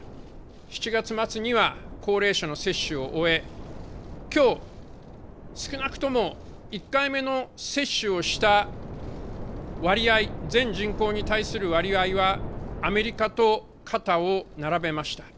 ７月末には高齢者の接種を終えきょう少なくとも１回目の接種をした割合、全人口に対する割合はアメリカと肩を並べました。